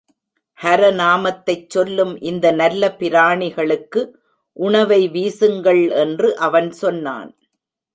ஹர நாமத்தைச் சொல்லும் இந்த நல்ல பிராணிகளுக்கு உணவை வீசுங்கள் என்று அவன் சொன்னான்.